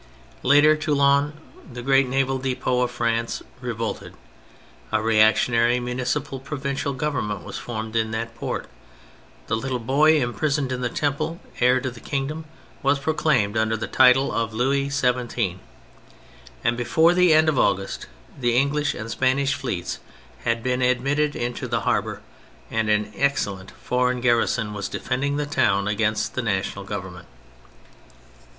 Later Toulon, the great naval depot of France, revolted : a reactionary municipal provincial Government was formed in that Eort, the little boy imprisoned in the Temple, eir to the kingdom, was proclaimed under the title of Louis XVII, and before the end of August the English and Spanish fleets had been admitted into the harbour and an excellent foreign garrison was defending the town against the national Government.